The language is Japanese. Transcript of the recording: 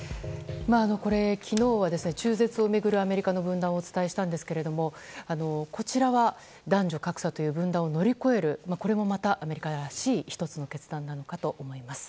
昨日は中絶を巡るアメリカの分断をお伝えしたんですけどこちらは男女格差という分断を乗り越えるこれもまた、アメリカらしい１つの決断なのかなと思います。